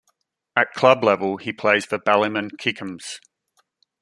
At club level he plays for Ballymun Kickhams.